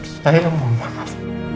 saya yang memaham